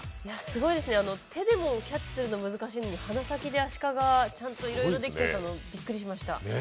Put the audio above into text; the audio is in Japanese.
すごいですね、手でもキャッチするの難しいのに鼻先でアシカがちゃんといろいろできてたの、びっくりしました。